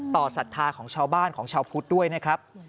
ศรัทธาของชาวบ้านของชาวพุทธด้วยนะครับ